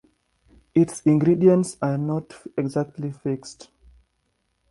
Its ingredients are not exactly fixed.